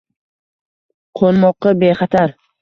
Qoʻnmoqqa bexatar